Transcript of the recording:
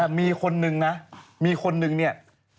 แต่มีคนนึงนะมีคนนึงเนี่ย